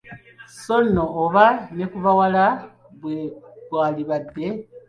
So nno oba ne ku bawala bwe gwalibadde!